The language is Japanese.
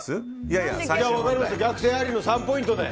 逆転ありの３ポイントで。